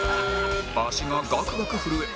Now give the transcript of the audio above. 足がガクガク震え